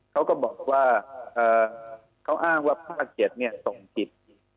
เขาก็บอกว่าเขาอ้างว่าภาค๗ส่งจิต